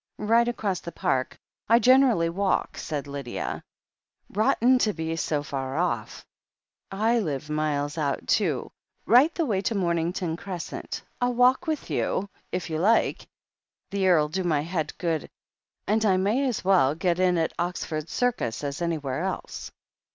"Right across the Park, I generally walk," said Lydia. "Rotten to be so far off. / live miles out, too, right the way to Momington Crescent. FU walk with you. THE HEEL OF ACHILLES 137 if you like. The air'U do my head good, and I may as well get in at Oxford Circus as anywhere else."